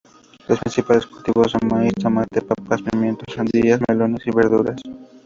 Los principales cultivos son maíz, tomate, papas, pimientos, sandías, melones, y verduras.